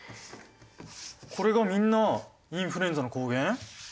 これがみんなインフルエンザの抗原？